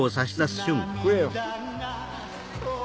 食えよ。